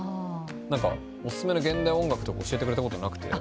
お薦めの現代音楽とか教えてくれたことなくて。